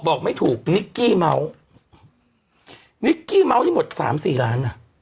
ไม่ถูกนิกกี้เมานิกกี้เมาส์ให้หมดสามสี่ล้านอ่ะ